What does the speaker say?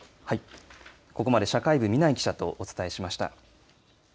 ここまで社会部、南井記者とお伝えしました。